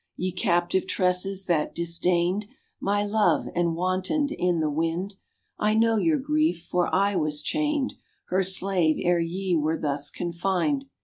Ye captive tresses that disdained My love, and wantoned in the wind, I know your grief, for I was chained Her slave ere ye were thus confined.